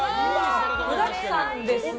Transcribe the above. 具だくさんですね。